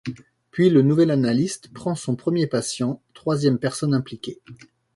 Puis le nouvel analyste prend son premier patient, troisième personne impliquée.